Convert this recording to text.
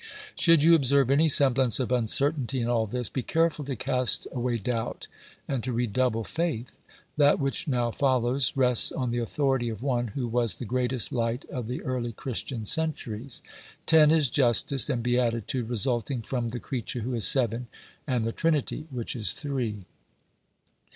Should you observe any semblance of uncertainty in all this, be careful to cast away doubt and to redouble faith. That which now follows rests on the authority of one who was the greatest light of the early Christian centuries. Ten is justice and beatitude resulting from the creature who is seven and the Trinity which is three.